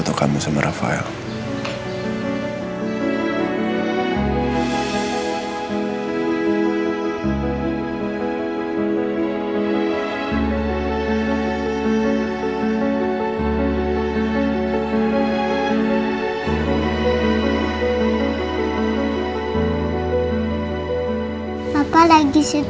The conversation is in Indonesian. tidak ada yang nanya apa apa